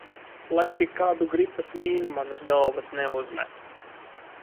Lai tik kādu gripas mīnu man uz galvas neuzmet.